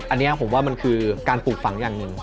อันนี้ผมว่ามันคือการปลูกฝังอย่างหนึ่ง